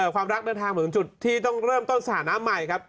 ความรักเดินทางถึงจุดที่ต้องเริ่มต้นสถานะใหม่ครับ